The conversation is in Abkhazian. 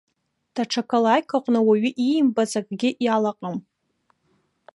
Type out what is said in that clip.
Даҽа қалақьк аҟны уаҩы иимбац акгьы иалаҟам.